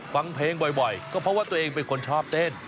ฟังเพลงบ่อยก็เพราะว่าตัวเองเป็นคนชอบเต้น